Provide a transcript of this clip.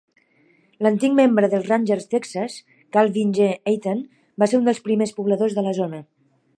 L'antic membre dels Ranger Texas, Calvin G. Aten, va ser un dels primers pobladors de la zona.